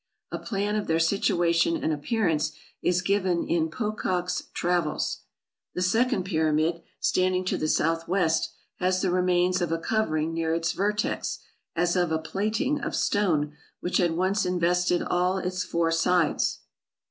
A plan of their situation and appearance is given in Pocock's "Travels." The second pyramid, standing to the south west, has the remains of a covering near its vertex, as of a plaiting of stone which had once invested all its four sides.